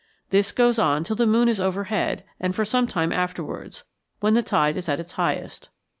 This goes on till the moon is overhead and for some time afterwards, when the tide is at its highest.